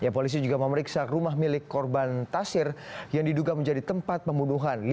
polisi juga memeriksa rumah milik korban tasir yang diduga menjadi tempat pembunuhan